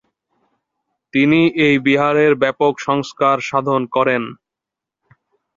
তিনি এই বিহারের ব্যাপক সংস্কার সাধন করেন।